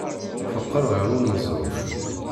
Teqqel ɣer uneẓruf.